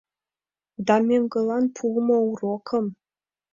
Да мӧҥгылан пуымо урокым